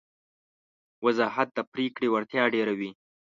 وضاحت د پرېکړې وړتیا ډېروي.